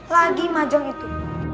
lagi majang itu